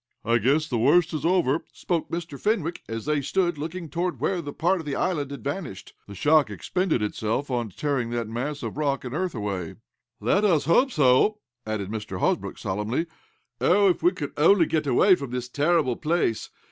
"I guess the worst is over," spoke Mr. Fenwick, as they stood looking toward where part of the island had vanished. "The shock expended itself on tearing that mass of rock and earth away." "Let us hope so," added Mr. Hosbrook, solemnly. "Oh, if we could only get away from this terrible place!